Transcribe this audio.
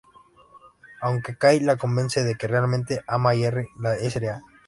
Aunque Kay la convence de que realmente ama a Jerry, la Sra.